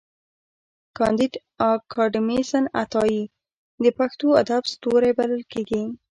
کانديد اکاډميسن عطايي د پښتو ادب ستوری بلل کېږي.